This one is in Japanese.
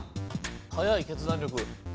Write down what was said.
早い決断力。